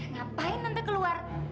ngapain nanti keluar